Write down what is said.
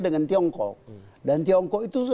dengan tiongkok dan tiongkok itu